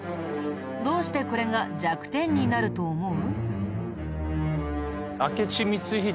どうしてこれが弱点になると思う？